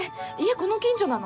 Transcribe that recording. この近所なの？